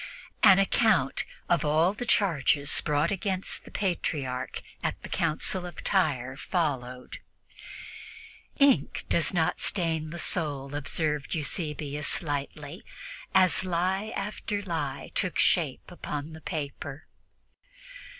An account of all the charges brought against the Patriarch at the Council of Tyre followed. "Ink does not stain the soul," observed Eusebius lightly, as lie after lie took shape upon the paper.